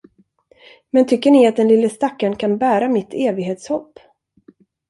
Men tycker ni den lille stackarn kan bära mitt evighetshopp?